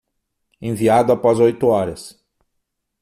Enviado após oito horas